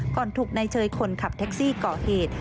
ถูกนายเชยคนขับแท็กซี่ก่อเหตุ